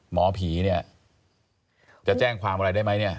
หมอผีเนี่ยจะแจ้งความอะไรได้ไหมเนี่ย